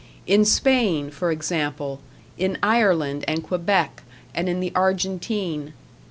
In Spain, for example; in Ireland and Quebec, and in the Argentine.